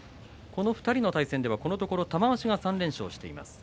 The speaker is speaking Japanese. この２人の対戦ではこのところ玉鷲が３連勝しています。